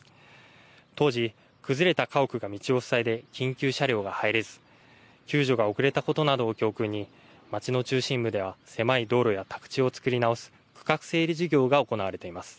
当時、崩れた家屋が道を塞いで緊急車両が入れず救助が遅れたことなどを教訓に町の中心部では狭い道路や宅地を造り直す区画整理事業が行われています。